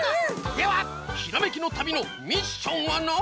ではひらめきの旅のミッションはな。